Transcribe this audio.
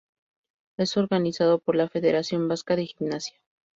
Es organizado por la Federación Vasca de Gimnasia.